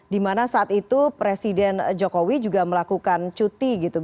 dimana saat itu presiden jokowi juga melakukan cuti gitu